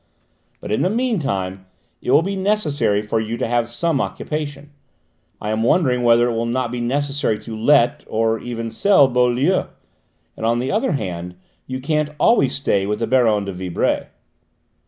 But in the meantime it will be necessary for you to have some occupation. I am wondering whether it will not be necessary to let, or even to sell Beaulieu. And, on the other hand, you can't always stay with the Baronne de Vibray."